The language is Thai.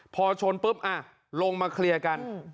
พอชนปุ๊บลงมาเคลียร์กัน